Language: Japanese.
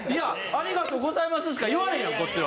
「ありがとうございます」しか言われへんやんこっちは。